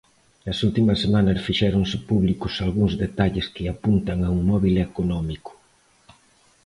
Nas últimas semanas fixéronse públicos algúns detalles que apuntan a un móbil económico.